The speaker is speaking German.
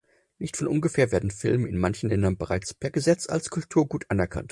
Nicht von ungefähr werden Filme in manchen Ländern bereits per Gesetz als Kulturgut anerkannt.